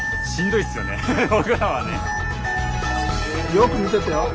よく見ててよ。